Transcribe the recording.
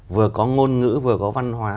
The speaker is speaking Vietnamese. vừa có ngôn ngữ vừa có văn hóa